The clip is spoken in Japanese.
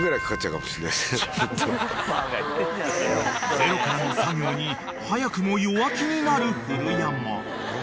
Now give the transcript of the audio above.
［ゼロからの作業に早くも弱気になる古山］